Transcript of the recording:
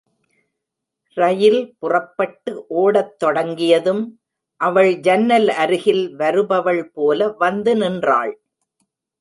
ரயில் புறப்பட்டு ஓடத் தொடங்கியதும், அவள் ஜன்னல் அருகில் வருபவள் போல வந்து நின்றாள்.